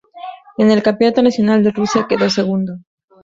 En el Campeonato Nacional de Rusia quedó segundo.